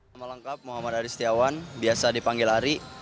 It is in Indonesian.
nama lengkap muhammad aris setiawan biasa dipanggil ari